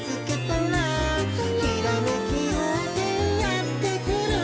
「ひらめきようせいやってくる」